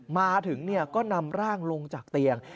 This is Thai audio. มาถึงก็นำร่างลงจากเตียง